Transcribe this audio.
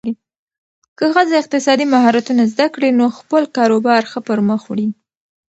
که ښځه اقتصادي مهارتونه زده کړي، نو خپل کاروبار ښه پرمخ وړي.